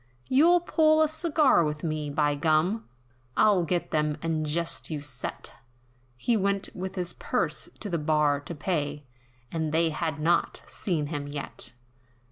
"You'll pull a cigar with me, by gum! I'll get them 'and jest you set,'" He went with his purse, to the bar to pay, And they have not seen him yet!